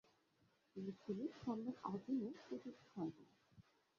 তিনি ছিলেন সম্রাট অজিন এর চতুর্থ সন্তান।